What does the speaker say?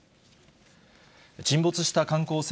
沈没した観光船